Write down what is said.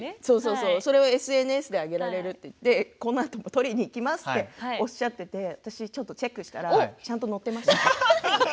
それをＳＮＳに上げられると言ってこのあとも撮りに行きますとおっしゃっていて私ちょっとチェックしたらちゃんと載っていました。